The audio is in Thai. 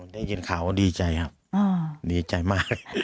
ได้ยินข่าวก็ดีใจครับดีใจมาก